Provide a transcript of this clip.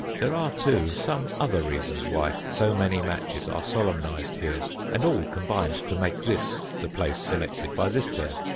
There are, too, some other reasons why so many matches are solemnized here; and all combined to make this the place selected by this pair.